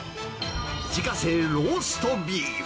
自家製ローストビーフ。